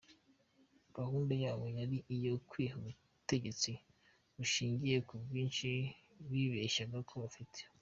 Gahunda yabo yari iyo kwiha ubutegetsi bushingiye “ku bwinshi” bibeshyaga ko bafite.